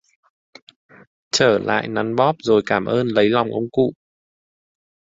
Trở lại nắn bóp rồi cảm ơn lấy lòng ông cụ